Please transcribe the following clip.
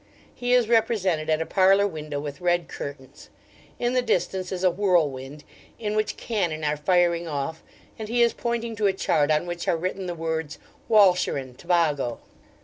He is represented at a parlour window with red curtains; in the distance is a whirlwind, in which cannon are firing off; and he is pointing to a chart, on which are written the words 'Walcheren, Tobago.'